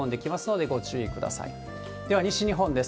では西日本です。